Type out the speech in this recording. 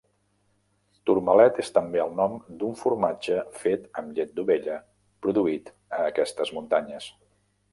Tormalet és també el nom d'un formatge fet amb llet d'ovella produït a aquestes muntanyes.